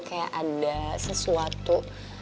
kayak ada sesuatu